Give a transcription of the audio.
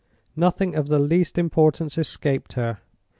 Nothing of the least importance escaped her.